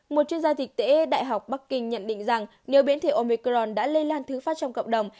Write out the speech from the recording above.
một chuyên gia thực tế đại học bắc kinh nhận định rằng nếu biến thể omicron đã lây lan thứ phát trong cộng đồng